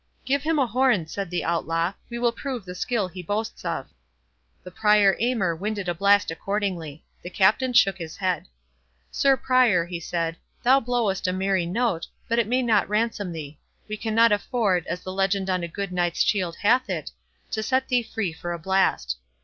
"Give him a horn," said the Outlaw; "we will prove the skill he boasts of." The Prior Aymer winded a blast accordingly. The Captain shook his head. "Sir Prior," he said, "thou blowest a merry note, but it may not ransom thee—we cannot afford, as the legend on a good knight's shield hath it, to set thee free for a blast.